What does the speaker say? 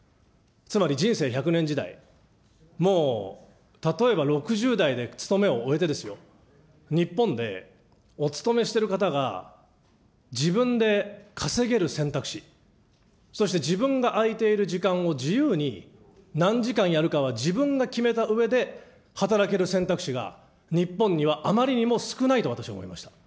つまり人生１００年時代、もう例えば６０代で勤めを終えてですよ、日本でお勤めしてる方が自分で稼げる選択肢、そして自分が空いている時間を自由に、何時間やるかは自分が決めたうえで働ける選択肢が、日本にはあまりにも少ないと私は思いました。